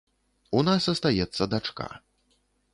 У нас астаецца дачка.